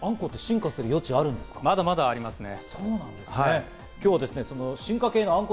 あんこって進化する余地あるまだまだありますね。